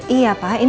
kita mau ke kantin